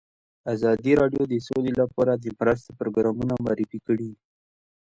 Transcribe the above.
ازادي راډیو د سوله لپاره د مرستو پروګرامونه معرفي کړي.